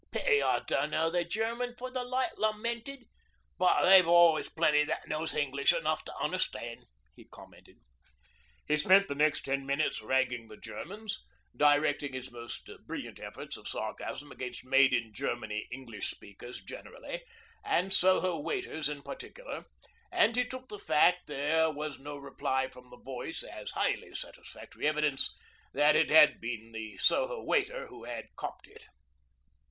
'Pity I dunno the German for "late lamented," but they've always plenty that knows English enough to unnerstand,' he commented. He spent the next ten minutes ragging the Germans, directing his most brilliant efforts of sarcasm against made in Germany English speakers generally and Soho waiters in particular; and he took the fact there was no reply from the voice as highly satisfactory evidence that it had been the 'Soho waiter' who had 'copped it.'